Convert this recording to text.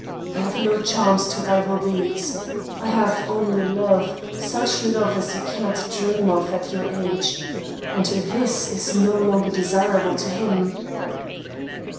I have no charms to rival these; I have only love, such love as you cannot dream of at your age. And this is no longer desirable to him!